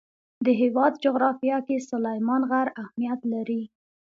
د هېواد جغرافیه کې سلیمان غر اهمیت لري.